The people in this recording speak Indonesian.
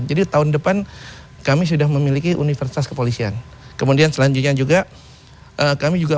jadi tahun depan kami sudah memiliki universitas kepolisian kemudian selanjutnya juga kami juga